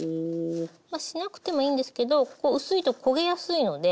まあしなくてもいいんですけどここ薄いと焦げやすいので。